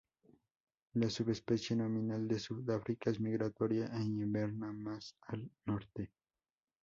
La subespecie nominal de Sudáfrica es migratoria e inverna más al norte.